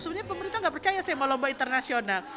sebenarnya pemerintah gak percaya saya mau lomba internasional